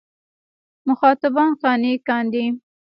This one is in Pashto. مخاطبان قانع کاندي.